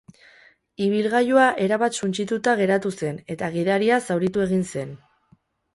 Ibilgailua erabat suntsituta geratu zen eta gidaria zauritu egin zen.